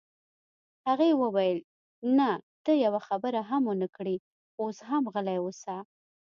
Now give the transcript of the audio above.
هغې وویل: نه، ته یوه خبره هم ونه کړې، اوس هم غلی اوسه.